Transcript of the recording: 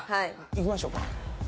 行きましょうか。